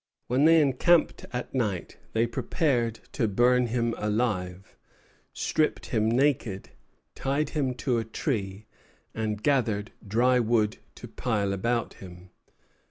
When they encamped at night, they prepared to burn him alive, stripped him naked, tied him to a tree, and gathered dry wood to pile about him.